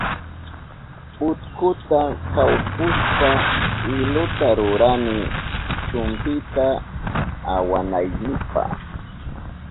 Utkuta kawpushpa iluta rurani chumpita awanaynipa.